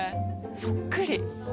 そっくり。